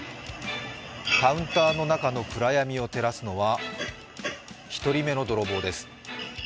カウンターの中の暗闇を照らすのは、１人目の泥棒です。